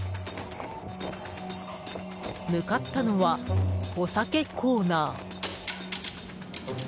向かったのは、お酒コーナー。